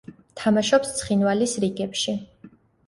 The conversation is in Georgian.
თამაშობს „ცხინვალის“ რიგებში.